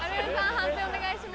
判定お願いします。